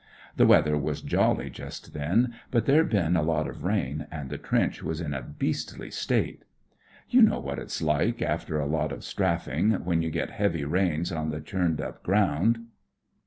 The weather was jolly just then ; but there'd been a lot of rain, and the trench was in a beastly state. WHAT IT'S LIKE IN THE PUSH 7 You know what it's like, after a lot of strafing, when you get heavy rains on the chumed up ground.